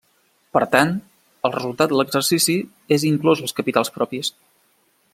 Per tant, el resultat de l'exercici és inclòs als capitals propis.